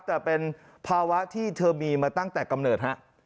แต่เป็นภาวะที่เธอมีมาตั้งแต่กำเนิดฮะ